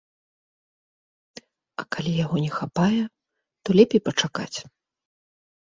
А калі яго не хапае, то лепей пачакаць.